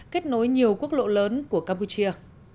kết nối nhiều quốc lộ lớn của campuchia